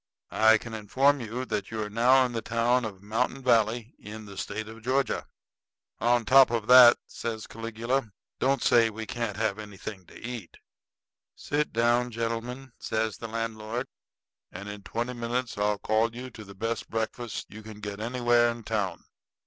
I can inform you that you are now in the town of Mountain Valley, in the State of Georgia." "On top of that," says Caligula, "don't say that we can't have anything to eat." "Sit down, gentlemen," says the landlord, "and in twenty minutes I'll call you to the best breakfast you can get anywhere in town."